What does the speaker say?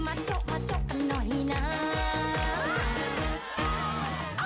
โจ๊กโจ๊กโจ๊กโจ๊กโจ๊กโจ๊กโจ๊กโจ๊กโจ๊ก